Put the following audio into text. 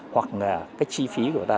hoặc là cái chi phí của người ta